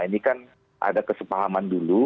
ini kan ada kesepahaman dulu